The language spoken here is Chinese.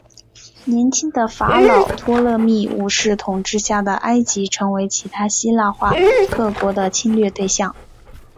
年轻的法老托勒密五世统治下的埃及成为其他希腊化各国的侵略对象。